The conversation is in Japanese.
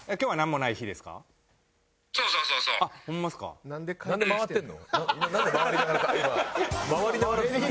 なんで回ってんの？